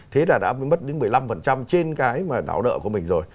thế là đã mất đến một mươi năm trên cái mà đáo nợ của mình rồi